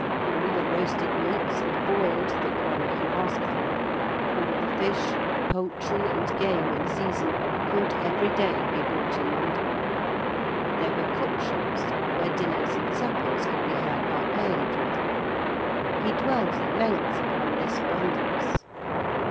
All the roasted meats and boiled that one can ask for; all the fish, poultry, and game in season, could every day be bought in London: there were cookshops where dinners and suppers could be had by paying for them. He dwells at length upon this abundance.